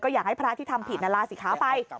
ก็อยากให้พระที่ทำผิดนราศิษย์ข้าวไป